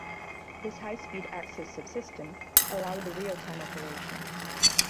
This high-speed access subsystem allowed the real-time operation.